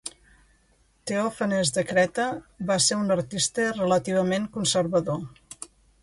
Teòfanes de Creta va ser un artista relativament conservador.